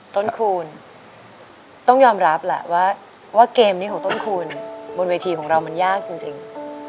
คูณต้องยอมรับแหละว่าเกมนี้ของต้นคูณบนเวทีของเรามันยากจริง